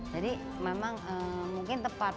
jadi memang mungkin tepat